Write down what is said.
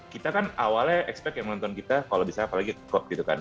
kita kan awalnya expect yang menonton kita kalau bisa apalagi cop gitu kan